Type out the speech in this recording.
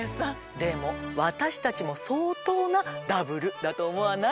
でも私たちも相当なＷだと思わない？